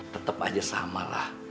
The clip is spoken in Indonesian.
tetep aja samalah